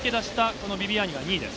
このビビアーニが２位です。